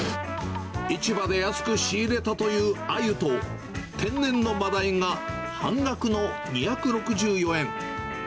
市場で安く仕入れたというアユと天然のマダイが半額の２６４円。